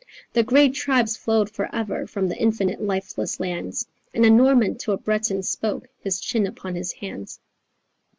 The grey tribes flowed for ever from the infinite lifeless lands And a Norman to a Breton spoke, his chin upon his hands.